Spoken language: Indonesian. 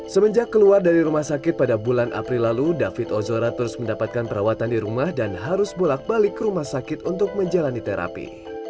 semenjak keluar dari rumah sakit pada bulan april lalu david ozora terus mendapatkan perawatan di rumah dan harus bolak balik ke rumah sakit untuk menjalani terapi